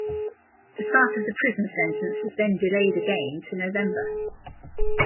The start of the prison sentence was then delayed again, to November.